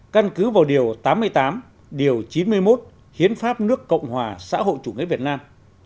căn cứ vào điều tám mươi tám điều chín mươi một hiến pháp nước cộng hòa xã hội chủ nghĩa việt nam